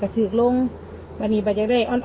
ถือกลงบรรทีไปจากไรครับ